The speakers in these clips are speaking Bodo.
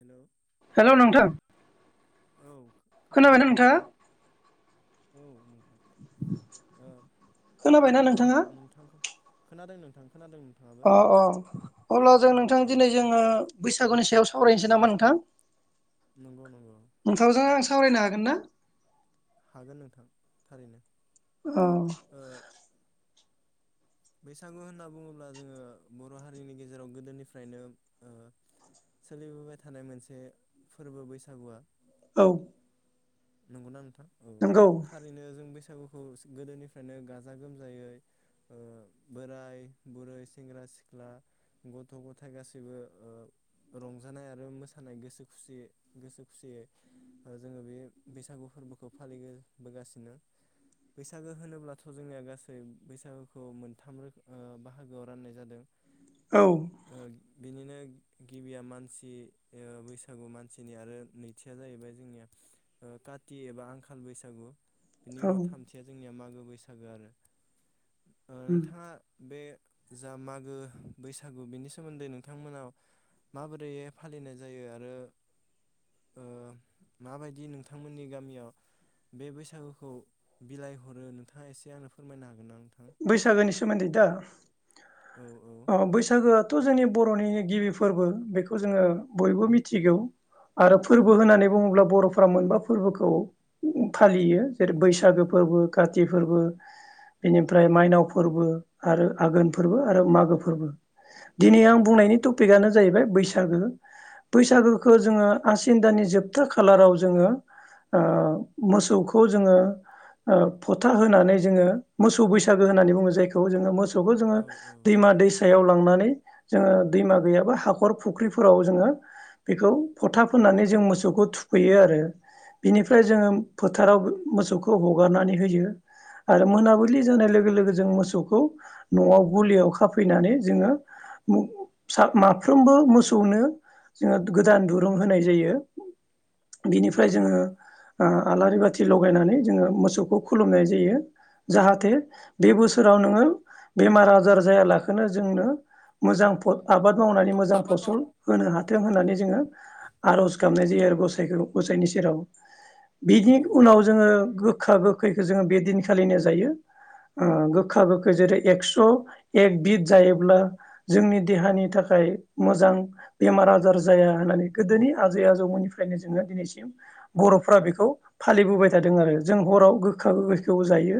हेल', हेलौ नोंथां औ खोनादोंना नोंथाङा? औ नोंथां ओ आ खोनाबायना नोंथांजों नोंथाङा नोंथांखौ खोनादों नोंथां। खोनादों नोंथाङाबो अ अ अब्ला जों नोंथां औ दिनै जोङो बैसागुनि सायाव सावरायनोसै नामा नोंथां? नंगौ नंगौ। नोंथांजों आं सावरायनो हागोन ना? हागोन नोंथां थारैनो। औ। ओ बैसागु होनना बुङोब्ला जोङो बर' हारिनि गेजेराव गोदोनिफ्रायनो ओ सोलिबोबाय थानाय मोनसे फोरबो बैसागुआ। औ। नोंगौना नोंथां औ नंगौ थारैनो जों बै सागुखौ गोदोनिफ्रायनो गाजा गोमजायै ओ बोराय बुरै सेंग्रा सिख्ला गथ' गथाय गासैबो ओ रंजानाय आरो मोसानाय गोसो खुसियै गोसो खुसियै जोङो बे बैसागु फोरबोखौ फालिबोबोगासिनो बैसागो होनोब्लाथ' जोंनिया गासै बैसागोखौ मोनथाम रो बाहागोआव राननाय जादों। औ ओ बिनिनो गिबिया मानसि ओ बैसागु मानसिनि आरो नैथिया जाहैबाय जोंनिया ओ काति एबा आंखाल बैसागु बिनि औ उनाव थामथिया जोंनिया मागो बैसागो आरो। ओ उम नोंथाङा बे जा मागो बैसागु बिनि सोमोन्दै नोंथांमोना माबोरैहाय फालिनाय जायो आरो ओ माबायदि नों थांमोननि गामियाव बे बैसागुखौ बिलाइ हरो नोंथाङा एसे आंनो फोरमायनो हागोनना बैसागोनि सोमोन्दै दा? औ औ अ' बैसागोया थ' जोंनि बर'नि गिबि फोरबो बेखौ जोङो बयबो मिथिगौ। आरो फोरबो नंगौ होननानै नंगौ बुङोब्ला बर' फ्रा मोनबा फोरबोखौ फालियो जेरै बैसागो फोरबो काति फोरबो बिनि फ्राय माइनाव फोरबो आरो आघोन फोरबो आरो मागो फोरबो। दिनै आं नंगौ बुंनायनि नंगौ टपिकआनो जाहैबाय बैसागो बैसागोखो जोङो आसिन दाननि जोबथा खालाराव जोङो ओ मोसौखौ जोङो ओ फोथा होनानै जोङो मोसौ बैसा गो होननानै बुङो जायखौ जोङो मो मोसौखौ जोङो औ औ दैमा दैसायाव लांनानै जोङो दैमा गैयाबा हाखर फुख्रिफोराव जोङो बेखौ फथा फोननानै जों मोसौखौ थुखैयो आरो बिनिफ्राय जोङो फोथाराव मोसौखौ हगारनानै होयो आरो मोनाबिलि जानाय लो गो लोगो जों मोसौखौ न'आव गलियाव खाफैनानै जोङो मो माफ्रोमबो मोसौनो जोङो गोदान दुरुं होनाय जायो। नंगौ बिनिफ्राय नंगौ जोङो ओ आलारि बाथि लगायनानै जोङो मोसौखौ खुलुमनाय जायो जाहाथे बे बोसोराव नोङो बेमार आजार जायालाखनो जोंनो मोजां फ आबाद मावनानै मोजां फसल होनो हाथों होननानै जोङो आर'ज गाबनाय जायो आरो गसाइखौ गसाइनि सेराव बिनि औ औ उनाव जोङो गो खा गोखैखौ जोङो बेदिन खालिनो जायो। ओ गोखा गोखै जेरै एक्स' एक बिद जायोब्ला जोंनि देहानि थाखाय मोजां बेमार आजार जाया होननानै गोदोनि आजै आजौमोननिफ्रायनो जोङो दिनैसिम बर'फ्रा बेखौ फालिबोबाय थादों आरो जों हराव गोखा गोखैखौ जायो।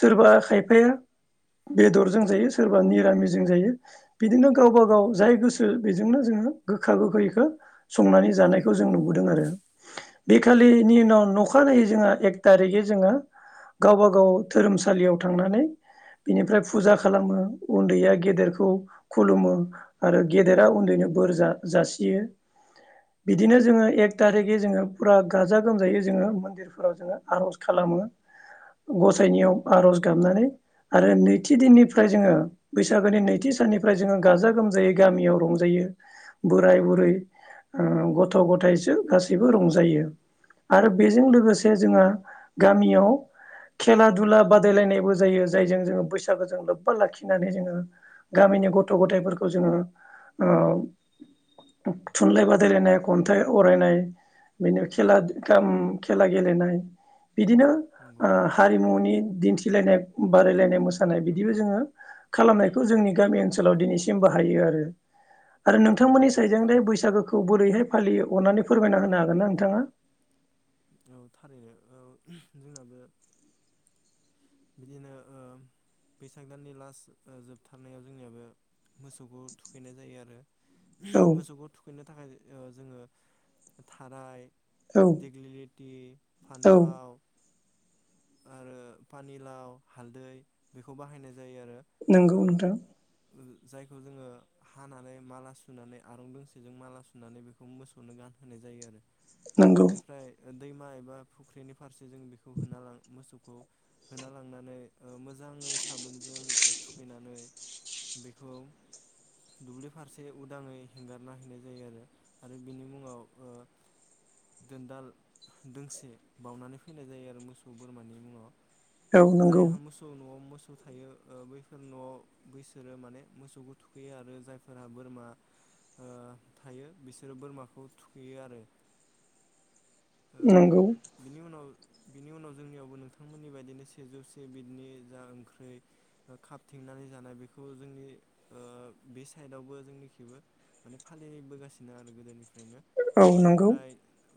सोरबा खायफाया बेदरजों जायो सोरबा निरामिजों जायो। बिदिनो गावबा गाव नंगौ जाय नंगौ गोसो बेजोंनो जोङो गोखा गोखैखो संनानै जानायखौ जों नुबोदों आरो औ औ बेखालिनि उनाव नखा नायै जोङो एक थारिखै जोङो गावबा गाव धोरोमसालियाव थांनानै बिनिफ्राय फुजा खालामो उन्दैया गेदेरखौ खुलुमो आरो गेदेरा उन्दैनो बोर जासियो बिदिनो जोङो एक थारिकै जोङो फुरा गाजा गोमजायै जोङो मन्दिरफोराव जोङो आर'ज खालामो गसा इनियाव आर'ज गाबनानै आरो नैथि दिननिफ्राय जोङो बैसागोनि नैथि साननिफ्राय जोङो गाजा गोमजायै गामियाव रंजायो बोराय बुरै ओ गथ' गथायसो गासैबो रंजायो आरो बेजों लोगोसे जोंहा गामियाव खेला दुला बादायलायनायबो जायो जायजों जोङो बैसागोजों लोब्बा लाखिनानै जोङो गामिनि गथ' गथायाइफोरखौ जोङो ओ थुनलाइ बादायलायनाय खन्थाइ अरायनाय बिनि खेला खेला गेलेनाय बिदिनो नंगौ ओ नंगौ न'नि दिन्थिलायनाय बादायलायनाय मोसानाय बिदिबो जोङो खालामनायखौ जोंनि गामि ओनसोलाव दिनैसिम बाहायो आरो आरो नंगौ नोंथांमोननि नंगौ साइदजों बैसागो खौ बोरैहाय फालियो अननानै फोरमायना होनो हागोन ना नोंथाङा? औ थारैनो औ जोंनाबो बिदिनो ओ बैसाग दाननि लास ओ जोबथारनायाव जोंनियाबो मोसौखौ थुखैनाय जायो आरो औ मोसौखौ थुखैनो थाखाय ओ जोङो थाराय औ दिग्लिलिटि, औ फान्थाव, आरो फानि लाव हालदै बेखौ बाहायनाय जायो आरो नंगौ ओ नोंथां जायखौ जोङो हानानै माला सुनानै आरं दोंसेजों माला सुनानै बेखौ मोसौनो गानहोनाय जायो आरो नंगौ बेनिफ्राय दैमा एबा फुख्रिनि फार जों बेखौ होना ला मोसौ होना लांनानै ओ मोजाङै साबोनजों थुखैनानै बेखौ दुब्लि फारसे उदाङै हेंगारना हैनाय जायो आरो आरो बिनि मुङाव ओ दोनदाल दोंसे बाउनानै फैनाय जायो आरो मोसौ बोरमानि मुङाव। औ नंगौ जायहा मोसौ नआव मो सौ थायो ओ बैफोर न' बैसोरो माने मोसौखौ थुखैयो आरो जायफोरा बोरमा ओ थायो बिसोरो बोरमाखौ थुखैयो आरो ओ नंगौ बिनि उनाव बिनि उनाव जोंनियावबो नोंथांमोननि बायदिनो जौसे बिदनि जा ओंख्रि खाथिंनानै जानाय बेखौ जोंनि ओ बे साइदावबो जोंनि खैबो माने फालिबोगासिनो आरो गोदोनिफ्राय बेनो औ नंगौ बेनिफ्राय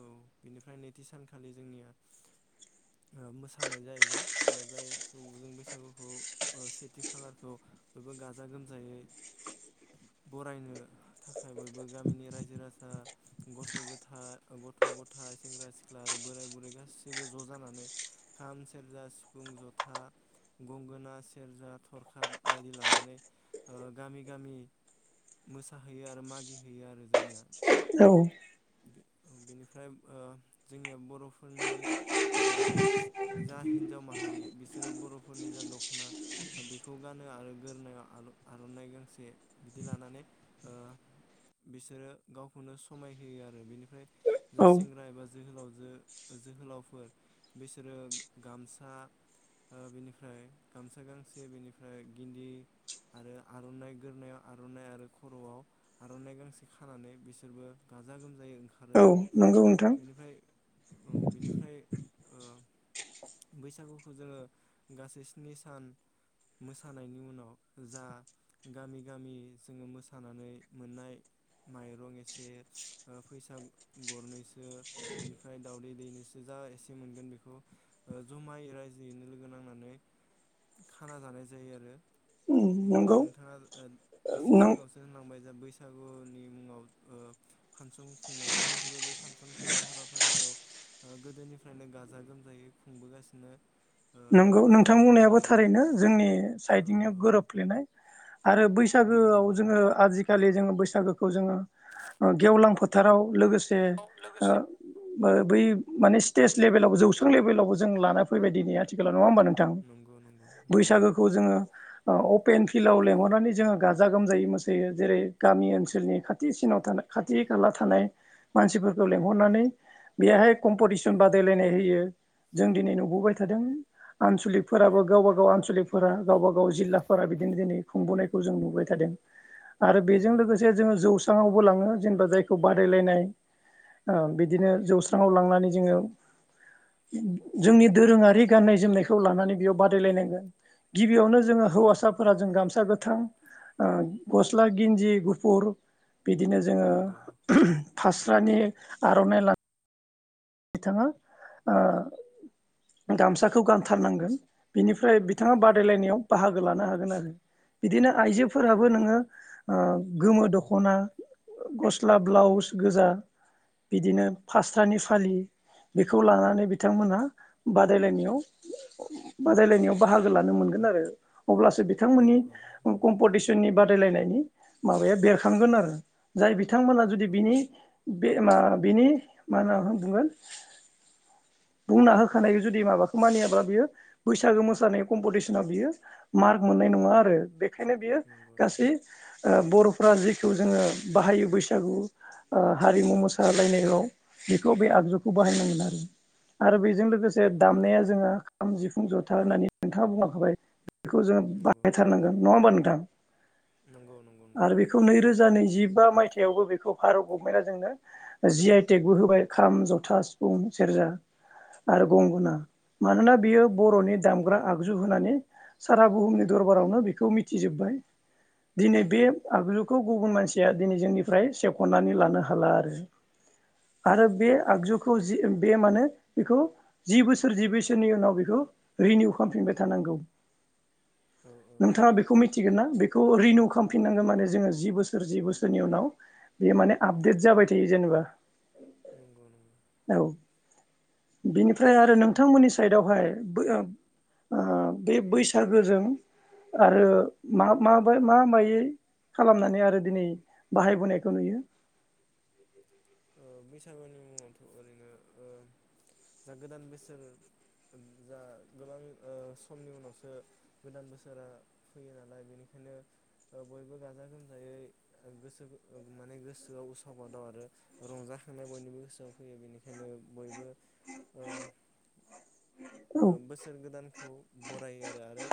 औ बेनिफ्राय नैथि सानखालि जोंनिया ओमोसानाया जाहैबाय ओ जायखौ जों बैसागुखौ सेथि खालारखौ बयबो गाजा गोमजायै बरायनो थाखाय बयबो गामिनि रायजो राजा गथ' गोथार गथ'-गथाय सेंग्रा सिख्ला आरो बोराय बुरै गासैबो ज' जानानै खाम, सेरजा सि फुं जथा गंगोना सेरजा थरखा बायदि लानानै गामि गामि मोसाहैयो आरो मागिहैयो आरो जोंनिया औ बिनिफ्राय ओ जोंनिया बर'फोरनि ओ जा हिनजाव मा हारि बिसोरो बरफोरनि जा दख'ना बेखौ गानो आरो गोरनायाव आरनाइ गांसे बिदि लानानै बिसोरो गावखौनो समाय होयो आरो बिनिफ्राय जा औ सेंग्रा एबा जोहोलावजो जोहोलावफोर बिसोरो गामसा ओ बेनिफ्राय गामसा गांसे बेनिफ्राय गिन्जि आरो आरनाइ गोदोनायाव आरनाइ आरो खर'आव आरनाइ गांसे खानानै बिसोरबो गाजा गोमजायै ओंखारो औ आरो नंगौ नोंथां बेनिफ्राय औ बिनिफ्राय ओ बैसागु जोङो गासै स्नि सान मोसानायनि उनाव जा गामि गामि जोङो मोसानानै मोननाय माइरं एसे फैसा गरनैसो बेनिफ्राय दावउदै दैनैसो जा एसे मोनगोन बेखौ जमाय राय जैयोनो लोगो नांनानै खाना जानाय जायो आरो उम बेनिफ्राय नंगौ नोंथाङा एसे नों सिगाङावसो होनलांबाय जा बैसागुनि मुङाव ओ फानसन खुंनाय जोंनिखौबो बे फानसन खुंनाय हाबाफारिखौ गोदोनिफ्रायनो गाजा गोमजायै खुंबोगासिनो ओ नोंगौ नोंथां जेराव बुंनायाबो जोंनियाबो थारैनो जोंनि औ साइदजोंनो औ गोरोबफ्लेनाय आरो बै नंगौ सागोआव नंगौ जोङो आजि खालि जों बैसागोखौ जोङो गेवलां फोथाराव लोगो ए औ ओ लोगोसे बै माने स्टेज लेभेलावबो जौस्रां लेभेलावबो जों लाना फैबाय दिनै आरो नङा होमबा नोंथां नंगौ नंगौ नंगौ बैसागोखौ जोङो औ अपेन फिल्डआव लिंहरनानै जोङो गाजा गोमजायै मोसायो जेरै गामि ओनसोलनि खाथिसिनाव थानाय खाथि खाला थानाय मानसिफोरखौ लिंहरनानै बेहाय औ कम्पिटिसन औ बादायलायनाय होयो। जों दिनै नुबोबाय थादों। आनसलिकफोराबो गावबा गाव आनसलिकफोरा गावबा गाव जिल्लाफोरा बिदिनो दिनै खुंबोनायखौ जों नुबाय थादों। आरो बेजों नंगौ नंगौ लोगोसे जोङो जौ स्राङावबो लाङो जेनेबा जायखौ बादायलायनाय ओ बिदिनो जौस्राङाव लांनानै जोङो जोंनि दोरोङारि गाननाय जोमनायखौ लानानै बेयाव बादायलायनांगोन गिबियावनो जोङो नंगौ हौवासाफोरा जों गामसा गो थां ओ गस्ला गिनजि गुफुर बि बिदिनो जोङो नंगौ फास्रानि आर'नाइ ला बिथाङा ओ गामसाखौ गानथारनांगोन बिनिफ्राय औ बिथाङा औ बादायलायनायाव बाहागो लानो हागोन गोन आरो बिदिनो आइजोफोराबो नोङो ओ गोमो दख'ना गस्ला ब्लाउस गोजा बिदिनो फास्रानि फालि बेखौ लानानै बिथांमोनहा बादायलायनायाव बादायलायनायाव बाहागो लानो मोनगोन आरो अब्लासो औ बिथांमोननि औ नंगौ कम्पिटिसननि बा बादायलायनायनि माबाया बेरखांगोन आरो जाय बिथांमोना औ जुदि औ बिनि बे एमा बिनि मा होना बुंगोन बुंना होखानाय जुदि माबाखौ मानियाब्ला बियो बैसागु मोसानाय कम्पिटिसनाव बियो मार्क मोननाय नङा आरो बे खायनो बियो नंगौ गासै नंगौ बर' फ्रा जेखौ जोङो बाहायो बैसागु ओ हारिमु मोसालायनायाव बेखौ बे आगजु खौ बाहायनांगोन आरो आरो बेजों लो गोसे औ औ दामनाया जोंहा खाम जिफु फुं ज'था होननानै नोंथाङा बुंलांखाबाय बेखौ जोङो नंगौ बाहायथारनांगोन नङा होमबा नोंथां नंगौ नंगौ नोंथां आरो बेखौ नैरोजा नैजि बा माइथायावबो बेखौ भारत गभमेन्टा जोंनो जि आइ टेग बो होबाय खाम ज थां सिफुं सेरजा आरो गंगना मानोना बियो औ औ बर'नि दामग्रा आग जु होनानै सारा बुहुमनि दरबारावनो बेखौ मिथिजोबबाय दिनै बे नंगौ आगजुखौ गुबुन मानसिया दिनै जोंनिफ्राय सेख'नानै लानो हाला आरो आरो बे आगजु खौ जि बे माने बेखौ जि बोसोर जि बोसोरनि उनाव बेखौ रिनिउ खालामफिनबाय थानांगौ औ औ नोंथाङा बेखौ मिथिगोन ना बेखौ रिनिउ खालामफिननांगोन माने जोङो जि बोसोर जि बोसोरनि उनाव बेयो माने आपडेट जाबाय थायो जेनेबा नंगौ नंगौ औ बिनिफ्राय आरो नोंथांमोननि साइदआवहाय बै ओ ओ बे बैसागुजों आरो मा मायै खालामनानै आरो दिनै बाहायबोनायखौ नुयो ओ बैसागुनि मुङावथ' ओरैनो ओ जा गोदान बोसोर जा गोबां ओ समनि उनावसो गोदान बोसोरा फैयो नालाय बेनिखायनो बयबो गाजा गोमजायै गोसो माने गोसोआव उसाव बादाव आरो रंजाखांनाय बयनिबो गोसोआव फैयो बेनिखायनो बेखायनो बयबो ओ औ ओ बोसोर गोदानखौ बरायो आरो आरो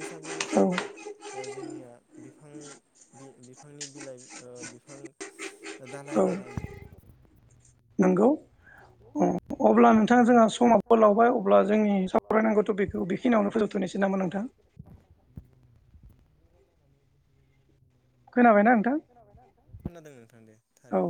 बैसागु औ समाव ओ जोंनिया बि- बिफां बिफांनि बिलाइ ओ बिफां दालाय दालाय नोंगौ नंगौ अ अब्ला नोंथाङा जोंहा अब्ला नोंथाङा समावबो जोंहा लावबाय अब्ला समाबो जोंनि लावबाय अब्ला सावरायनांगौथ' जोंनि बेखौ सावरायनांगौ बेखिनियावनो टपिकखौ फोजोबथ'नोसै नामा बेखिनियावनो नोंथां फोजोबथ'नोसै नामा नोंथां? खोनाबायना नोंथां खोनाबायना नोंथां? खोनादों नोंथां दे थारैनो। औ